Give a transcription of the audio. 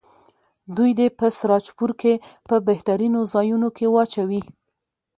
دوی دې په سراجپور کې په بهترینو ځایونو کې واچوي.